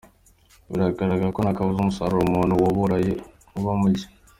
Biragaragara ko ntakubaza umusaruro umuntu wa buraye uba muke.